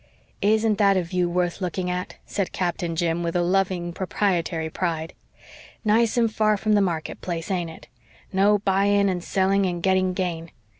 "Isn't that a view worth looking at?" said Captain Jim, with a loving, proprietary pride. "Nice and far from the market place, ain't it? No buying and selling and getting gain.